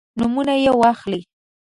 نومونه یې واخلئ.